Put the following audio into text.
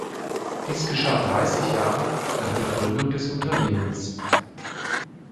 Dies geschah dreißig Jahre nach der Gründung des Unternehmens.